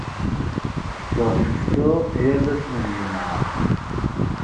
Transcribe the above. Ttetteɣ seksu yal ass n ljemɛa.